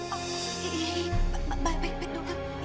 baik baik baik dokter